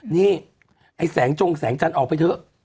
นี่ไอ้แสงจงแสงจันทร์ออกไปเถอะ